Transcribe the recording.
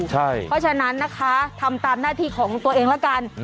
เพราะฉะนั้นนะคะทำตามหน้าที่ของตัวเองแล้วกัน